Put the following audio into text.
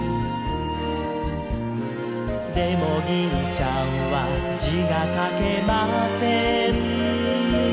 「でも銀ちゃんは字が書けません」